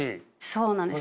そうなんです。